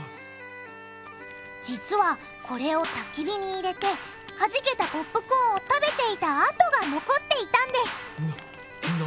実はこれをたき火に入れてはじけたポップコーンを食べていた跡が残っていたんですななんだって？